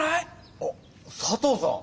あっ佐藤さん！